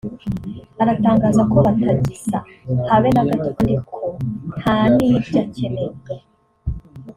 aratangaza ko batagisa habe na gato kandi ko nta nibyo akeneye